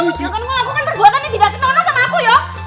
kamu jangan melakukan perbuatan yang tidak senang sama aku yo